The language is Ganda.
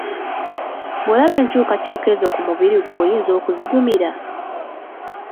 Bw'olaba enkyukakyuka ezo ku mubiri gwo oyinza okuzigumira?